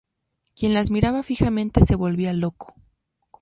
Quien las miraba fijamente se volvía loco.